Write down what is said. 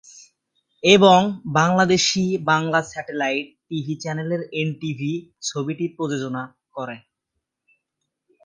এবং Bangladeshi Bangla satellite TV channel NTV ছবিটি প্রযোজনা করে।